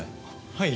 はい。